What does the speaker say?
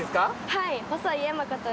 はい。